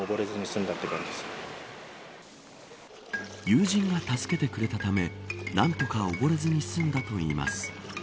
友人が助けてくれたため何とか溺れずに済んだといいます。